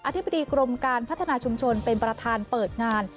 ธิบดีกรมการพัฒนาชุมชนเป็นประธานเปิดงาน